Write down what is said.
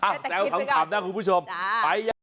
อะจะเอาคำถามหน้าคุณผู้ชมไปยังไง